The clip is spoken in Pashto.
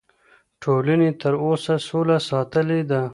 ټولنې تر اوسه سوله ساتلې ده.